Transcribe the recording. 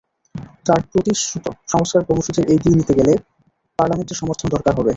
তাঁর প্রতিশ্রুত সংস্কার কর্মসূচির এগিয়ে নিতে গেলে পার্লামেন্টের সমর্থন দরকার হবে।